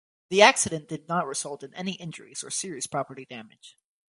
The accident did not result in any injuries or serious property damage.